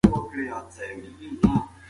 دا پروسه د نوي سیسټم له لارې کنټرول کیږي.